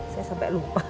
saya sampai lupa